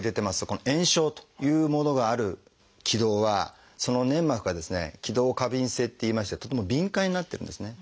この炎症というものがある気道はその粘膜がですね気道過敏性っていいましてとても敏感になってるんですね。